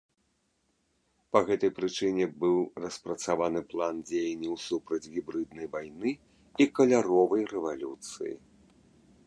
Па гэтай прычыне быў распрацаваны план дзеянняў супраць гібрыднай вайны і каляровай рэвалюцыі.